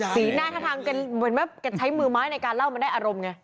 สีหน้าเหมือนใช้มือไม้ในการเล่ามันได้แต่อารมณ์ไง